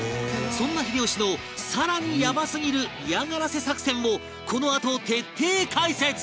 そんな秀吉のさらにやばすぎる嫌がらせ作戦をこのあと徹底解説！